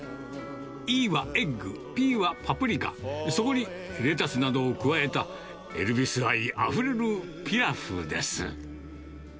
Ｅはエッグ、Ｐはパプリカ、そこにレタスなどを加えた、エルヴィス愛あふれるピラフです。